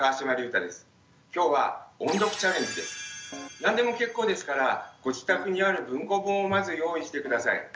何でも結構ですからご自宅にある文庫本をまず用意して下さい。